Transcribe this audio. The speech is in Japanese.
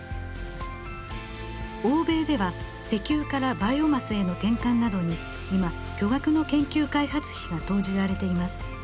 欧米では石油からバイオマスへの転換などに今巨額の研究開発費が投じられています。